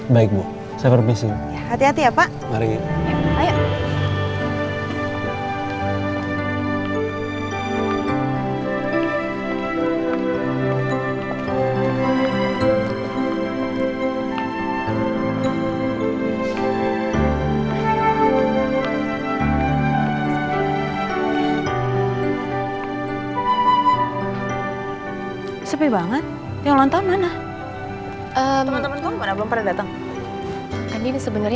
baik bu saya permisi